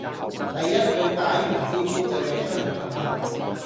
第一句打完招呼就約出嚟噉呀？